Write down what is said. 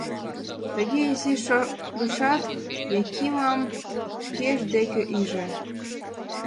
Тыге изиш шогышат, Якимым шкеж дек ӱжӧ.